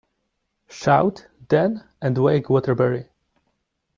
Shout, then, and wake Waterbury.